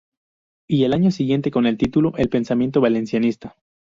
Y el año siguiente, con el título "El pensamiento valencianista.